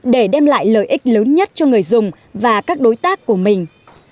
để đem lại lợi ích lớn nhất cho người dùng và các đối tác của mình